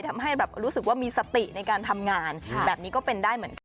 ทำให้แบบรู้สึกว่ามีสติในการทำงานแบบนี้ก็เป็นได้เหมือนกัน